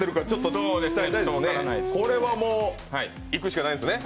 これはもう、いくしかないですね。